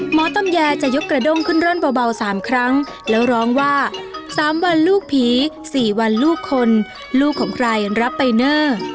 หมอตำแยจะยกกระด้งขึ้นร่อนเบา๓ครั้งแล้วร้องว่า๓วันลูกผี๔วันลูกคนลูกของใครรับไปเนอร์